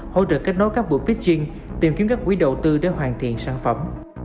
hỗ trợ kết nối các buổi pitching tìm kiếm các quỹ đầu tư để hoàn thiện sản phẩm